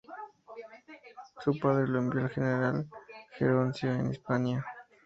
Su padre lo envió al general Geroncio, en Hispania.